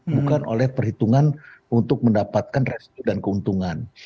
bukan oleh perhitungan untuk mendapatkan restu dan keuntungan